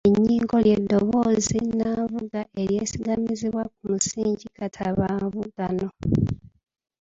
Ennyingo lye ddoboozi nnanvuga eryesigamizibbwa ku musingi katabamuvugano.